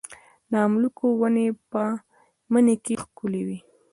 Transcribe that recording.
د املوک ونې په مني کې ښکلې وي.